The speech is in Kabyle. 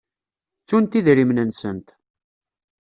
Ttunt idrimen-nsent.